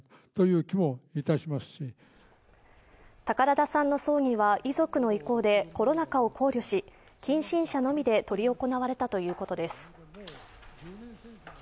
宝田さんの葬儀は遺族の意向でコロナ禍を考慮し近親者のみで執り行われたということです。